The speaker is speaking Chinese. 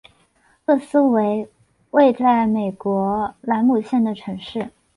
厄斯为位在美国兰姆县的城市。